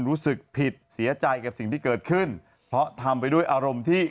รู้สึกผิดเสียใจกับสิ่งที่เกิดขึ้นเพราะทำไปด้วยอารมณ์ที่